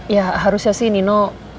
ya harusnya sih nino